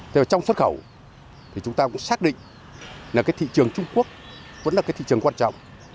trong xuất khẩu thì chúng ta cũng xác định là thị trường trung quốc vẫn là thị trường quan trọng